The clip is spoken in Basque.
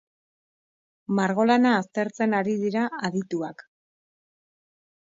Margolana aztertzen ari dira adituak.